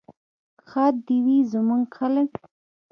ښاد دې وي زموږ خلک.